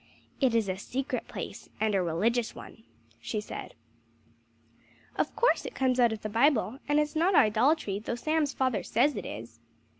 "It is a secret place, and a religious one," she said. "Of course it comes out of the Bible, and it's not idolatry, though Sam's father says it is."